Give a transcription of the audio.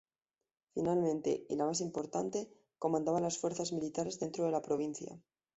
Finalmente, y la más importante, comandaba las fuerzas militares dentro de la provincia.